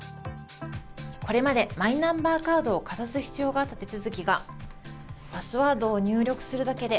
これまでマイナンバーカードをかざす必要があった手続きがパスワードを入力するだけで